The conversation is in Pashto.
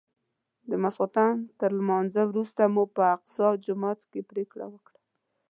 د ماسختن تر لمانځه وروسته مو په اقصی جومات کې پرېکړه وکړه.